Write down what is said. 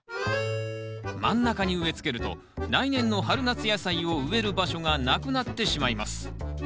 真ん中に植えつけると来年の春夏野菜を植える場所がなくなってしまいます。